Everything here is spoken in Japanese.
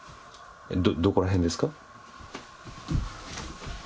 どこら辺ですか。